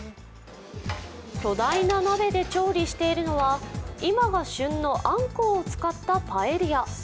巨大な鍋で調理しているのは今が旬のアンコウを使ったパエリア。